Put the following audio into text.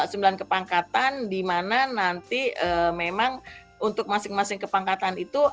sembilan kepangkatan di mana nanti memang untuk masing masing kepangkatan itu